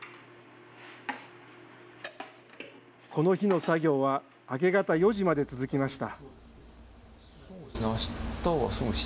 この日の作業は明け方４時まで続きました。